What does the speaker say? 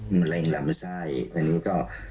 มะเร็งรัมไศในนี่ก็